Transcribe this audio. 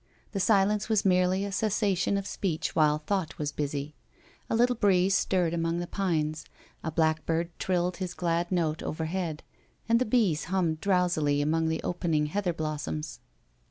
The silence was merely a cessation of speech while thought was busy. A little breeze stirred among the pines, a blackbird trilled his glad note over head, and the bees hummed drowsily among the open ing heather blossoms.